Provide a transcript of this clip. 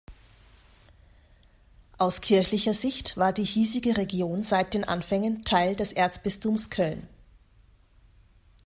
Aus kirchlicher Sicht war die hiesige Region seit den Anfängen Teil des Erzbistums Köln.